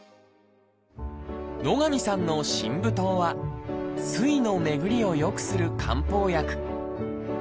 野上さんの真武湯は水の巡りをよくする漢方薬。